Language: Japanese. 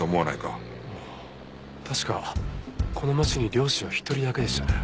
確かこの町に猟師は一人だけでしたね。